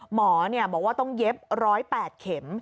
หมอบอกว่าต้องเย็บ๑๐๘เข็ม